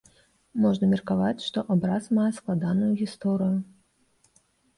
Можна меркаваць, што абраз мае складаную гісторыю.